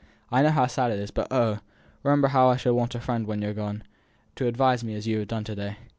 "I know how sad it is, but, oh! remember how I shall want a friend when you're gone, to advise me as you have done to day.